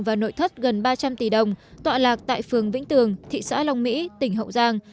và nội thất gần ba trăm linh tỷ đồng tọa lạc tại phường vĩnh tường thị xã long mỹ tỉnh hậu giang